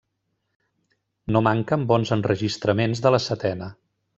No manquen bons enregistraments de la setena.